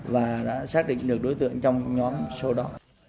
và đã xác định được đối tượng trong nhóm sau đó